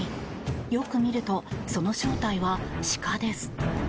よく見ると、その正体は鹿です。